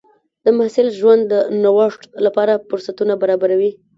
د محصل ژوند د نوښت لپاره فرصتونه برابروي.